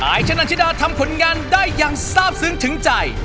ชนันชิดาทำผลงานได้อย่างทราบซึ้งถึงใจ